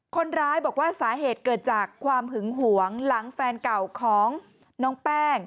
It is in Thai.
คนร้ายบอกว่าสาเหตุเกิดจากความหึงหวงหลังแฟนเก่าของน้องแป้ง